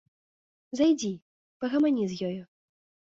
Зайдзі, пагамані з ёю.